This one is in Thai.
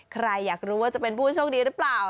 ใครอยากรู้ว่าจะเป็นผู้โชคดีหรือเปล่า